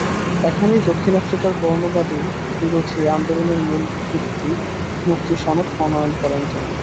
এখানেই দক্ষিণ আফ্রিকার বর্ণবাদবিরোধী আন্দোলনের মূল ভিত্তি মুক্তি সনদ প্রণয়ন করেন তিনি।